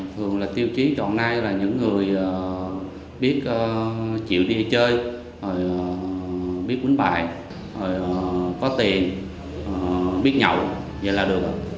thường là tiêu chí cho hôm nay là những người biết chịu đi chơi biết quýnh bài có tiền biết nhậu